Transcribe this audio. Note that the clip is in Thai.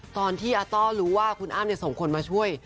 ตอนที่อาต้อรู้ว่าคุณอ้ำส่งคนมาช่วย